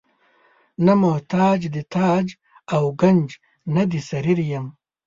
نه محتاج د تاج او ګنج نه د سریر یم.